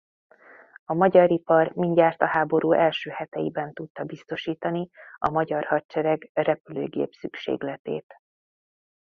A magyar ipar mindjárt a háború első heteiben tudta biztosítani a magyar hadsereg repülőgép-szükségletét.